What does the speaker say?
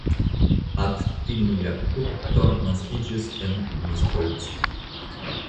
Attila Kuttor naskiĝis la en Miskolc.